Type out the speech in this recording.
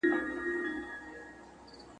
کله کله انسان د دوو خيرونو تر منځ واقع سي.